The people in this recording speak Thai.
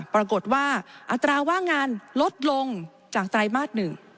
ปรากฏว่าอัตราว่างงานลดลงจากไตรมาส๑